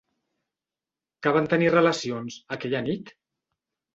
Que van tenir relacions, aquella nit?